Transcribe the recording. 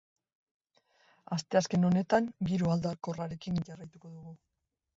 Asteazken honetan, giro aldakorrarekin jarraituko dugu.